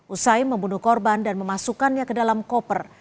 usai membunuh korban dan memasukkannya ke dalam koper